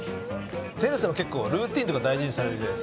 耀さま結構ルーティンとか大事にされるじゃないですか。